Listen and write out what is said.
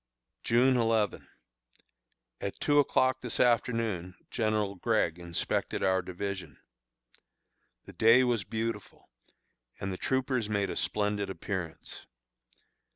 June 11. At two o'clock this afternoon General Gregg inspected our division. The day was beautiful, and the troopers made a splendid appearance.